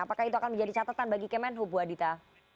apakah itu akan menjadi catatan bagi kemenhub bu adita